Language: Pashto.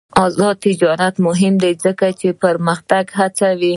آزاد تجارت مهم دی ځکه چې پرمختګ هڅوي.